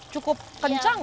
cukup kencang ya